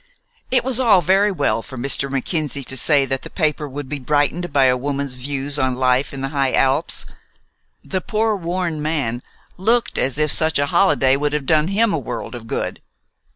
It was all very well for Mr. Mackenzie to say that the paper would be brightened by a woman's views on life in the high Alps. The poor worn man looked as if such a holiday would have done him a world of good.